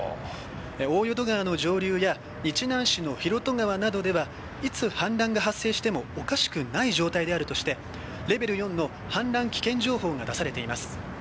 大淀川の上流や日南市の広渡川などではいつ氾濫が発生してもおかしくない状態であるとしてレベル４の氾濫危険情報が出されています。